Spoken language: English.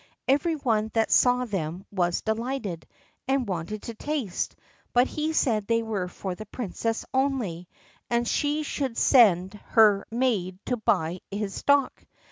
Every one that saw them was delighted, and wanted to taste; but he said they were for the princess only; and she soon sent her maid to buy his stock.